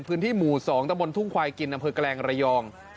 พื้นที่หมู่๒ตะบนทุ่งควายกินอำเภอแกลงระยอง